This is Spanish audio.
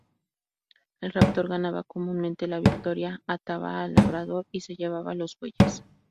El raptor ganaba comúnmente la victoria, ataba al labrador y se llevaba los bueyes.